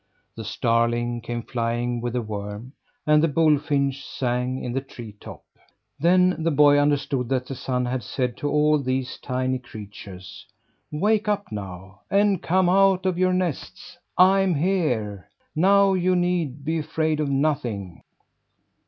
The starling came flying with a worm, and the bulfinch sang in the tree top. Then the boy understood that the sun had said to all these tiny creatures: "Wake up now, and come out of your nests! I'm here! Now you need be afraid of nothing."